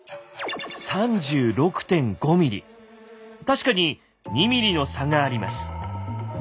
確かに２ｍｍの差があります。